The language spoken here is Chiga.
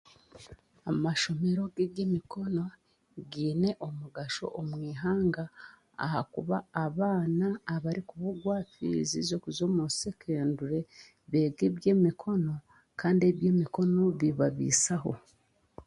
Amashomero g'eby'emikono gaine omugasho omu ihanaga ahakuba abaana abokubugwa fiizi z'okuza omu sekendure beega eby'emikono kandi eby'emikono bibabiisaho